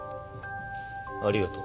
ありがとう。